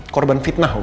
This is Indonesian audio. korban fitnah om